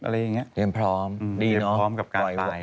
อะไรอย่างเงี้ย